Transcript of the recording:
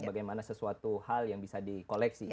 bagaimana sesuatu hal yang bisa di koleksi